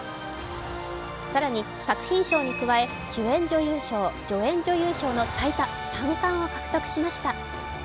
更に、作品賞に加え、主演女優賞、助演女優賞の最多３冠を獲得しました。